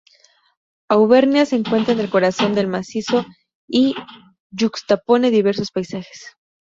Auvernia se encuentra en el corazón del macizo y yuxtapone diversos paisajes.